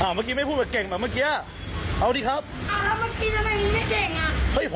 แล้วเมื่อกี้ไม่พูดว่าเก่งแบบเมื่อกี้อะเอาดิครับ